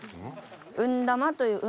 運玉という運